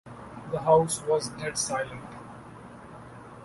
The house was dead silent.